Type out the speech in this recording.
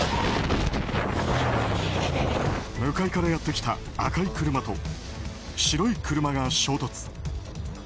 向かいからやってきた赤い車と白い車が衝突。